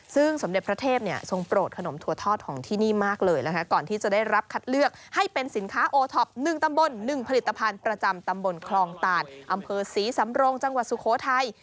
ซึ่งสมเด็จพระเทพทรงโปรดขนมถั่วทอดของที่นี่มากเลยนะคะก่อนที่จะได้รับคัดเลือกให้เป็นสินค้าโอท็อป๑ตำบล๑ผลิตภัณฑ์ประจำตำบลคลองตานอำเภอศรีสำรงจังหวัดสุโขทัย